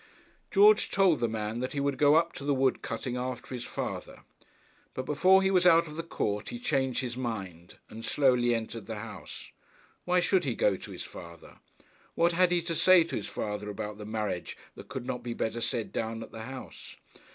George told the man that he would go up to the wood cutting after his father; but before he was out of the court he changed his mind and slowly entered the house. Why should he go to his father? What had he to say to his father about the marriage that could not be better said down at the house?